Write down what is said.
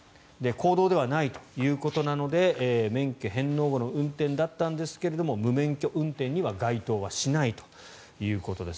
公道ではないということなので免許返納後の運転だったんですが無免許運転には該当はしないということです。